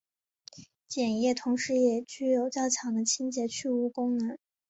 碱液同时也具有较强的清洁去污功能。